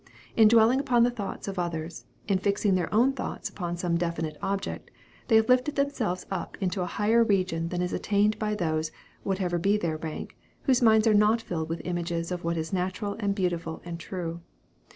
In dwelling upon the thoughts of others, in fixing their own thoughts upon some definite object, they have lifted themselves up into a higher region than is attained by those, whatever be their rank, whose minds are not filled with images of what is natural and beautiful and true.